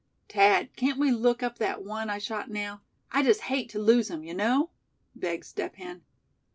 "Thad, can't we look up that one I shot now; I'd just hate to lose him, you know?" begged Step Hen.